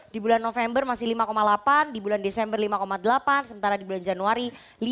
di bulan november masih lima delapan di bulan desember lima delapan sementara di bulan januari lima